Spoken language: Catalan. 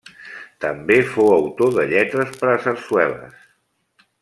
També fou autor de lletres per a sarsueles.